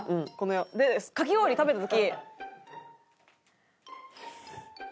かき氷食べた時。